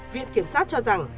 viện kiểm sát cho rằng